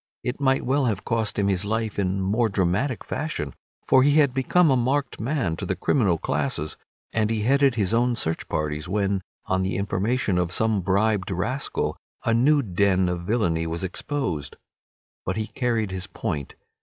It might well have cost him his life in more dramatic fashion, for he had become a marked man to the criminal classes, and he headed his own search parties when, on the information of some bribed rascal, a new den of villainy was exposed. But he carried his point.